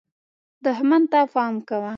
دښمن ته پام کوه .